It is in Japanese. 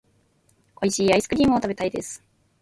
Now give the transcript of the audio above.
美味しいアイスクリームを食べたいです。